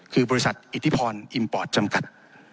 คือบริษัทอิทธิพรอิมปอร์ตจำกัด